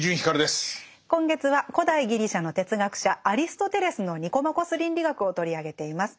今月は古代ギリシャの哲学者アリストテレスの「ニコマコス倫理学」を取り上げています。